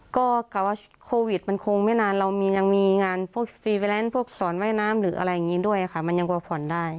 ก็กับว่าโควิดมันคงไม่นานเรายังมีงานพวกฟรีแลนซ์พวกสอนว่ายน้ำหรืออะไรอย่างนี้ด้วยค่ะมันยังพอผ่อนได้